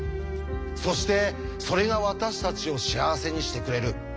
そしてそれが私たちを幸せにしてくれる。